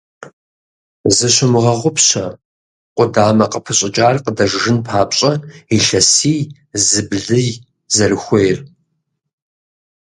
Зыщумыгъэгъупщэ къудамэ къыпыщӀыкӀар къыдэжыжын папщӀэ илъэси зыблый зэрыхуейр.